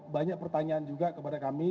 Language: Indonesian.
banyak pertanyaan juga kepada kami